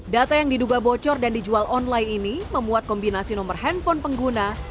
data yang diduga bocor dan dijual online ini membuat kombinasi nomor handphone pengguna